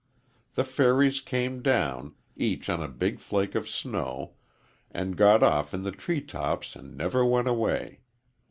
The fairies came down, each on a big flake of snow, and got off in the tree tops and never went away.